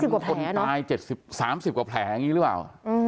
๓๐กว่าแผลเนอะคนตาย๓๐กว่าแผลอย่างนี้หรือเปล่า